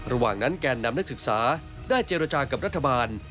ระหว่างนั้นแกนนำนักศึกษาได้เจรจากับรัฐบาล